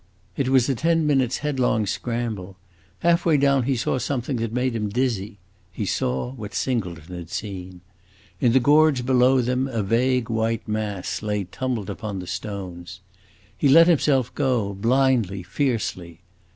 It was a ten minutes' headlong scramble. Half way down he saw something that made him dizzy; he saw what Singleton had seen. In the gorge below them a vague white mass lay tumbled upon the stones. He let himself go, blindly, fiercely.